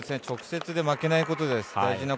直接で負けないことです。